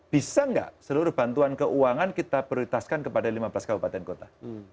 bisa nggak seluruh bantuan keuangan kita prioritaskan kepada lima belas kabupaten kota